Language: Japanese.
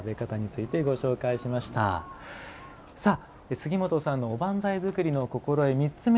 杉本さんのおばんざい作りの心得、３つ目。